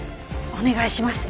お願いします。